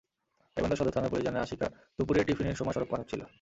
গাইবান্ধা সদর থানার পুলিশ জানায়, আশিকা দুপুরে টিফিনের সময় সড়ক পার হচ্ছিল।